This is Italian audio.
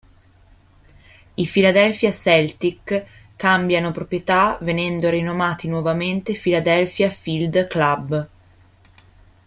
I Philadelphia Celtic cambiano proprietà venendo rinominati nuovamente Philadelphia Field Club.